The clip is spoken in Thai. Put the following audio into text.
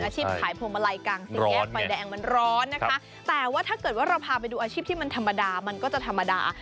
ขายพวงมาลัยกลางสี่แยกไฟแดงมันร้อนนะคะแต่ว่าถ้าเกิดว่าเราพาไปดูอาชีพที่มันธรรมดามันก็จะธรรมดา